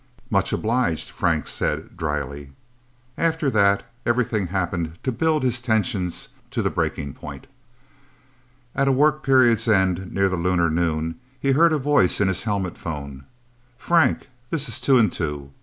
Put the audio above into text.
"Much obliged," Frank said dryly. After that, everything happened to build his tensions to the breaking point. At a work period's end, near the lunar noon, he heard a voice in his helmet phone. "Frank this is Two and Two...!